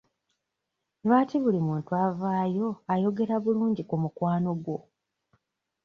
Lwaki buli muntu avaayo ayogera bulungi ku mukwano gwo?